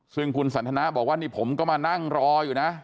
ซึ่งคุณสันทนาบอกว่านี่ผมก็มานั่งรออยู่นะ